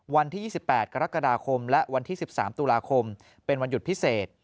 วันที่๒๘กรกฎาคมและวันที่๑๓ตุลาคมเป็นวันหยุดพิเศษ